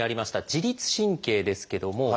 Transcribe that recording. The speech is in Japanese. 自律神経ですけどもこちら。